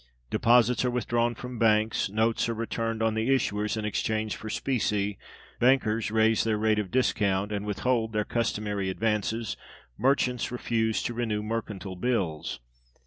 Deposits are withdrawn from banks; notes are returned on the issuers in exchange for specie; bankers raise their rate of discount, and withhold their customary advances; merchants refuse to renew mercantile bills.